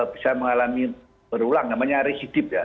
bisa mengalami berulang namanya residip ya